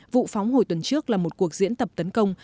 vụ phóng hồi tuần trước là một cuộc diễn tập tấn công